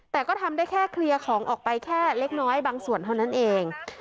แต่ก็ทำได้แค่เคลียร์ของออกไปแค่เล็กน้อยบางส่วนเท่านั้นเอง